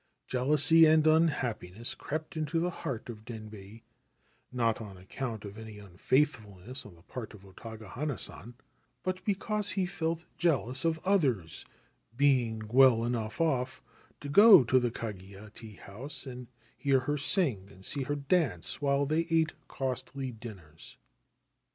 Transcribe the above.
* Jealousy and unhappiness crept into the heart of Denbei, not on account of any unfaithfulness on the part of O Taga hana San, but because he felt jealous of others being well enough off to go to the Kagiya teahouse and hear her sing and see her dance while they ate costly dinners.